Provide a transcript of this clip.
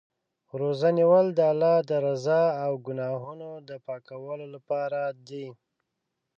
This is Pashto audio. روژه نیول د الله د رضا او ګناهونو د پاکولو لپاره دی.